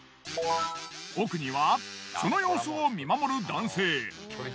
奥にはその様子を見守る男性。